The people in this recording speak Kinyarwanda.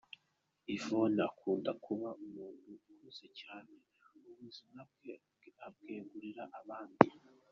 Yvonne akunda kuba umuntu uhuze cyane, ubuzima bwe abwegurira abandi.